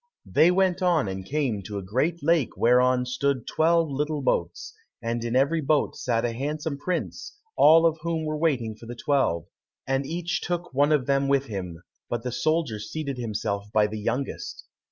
They went on and came to a great lake whereon stood twelve little boats, and in every boat sat a handsome prince, all of whom were waiting for the twelve, and each took one of them with him, but the soldier seated himself by the youngest.